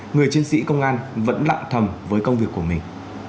người chiến sĩ công an vẫn lặng thầm với công việc của mình